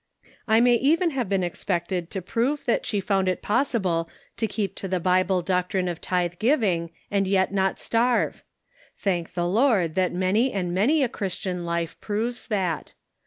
I may even have been expected to prove that she found it possible to keep to the Bible doc trine of tithe giving, and yet not starve ! Thank the Lord that many and many a Christian life proves that!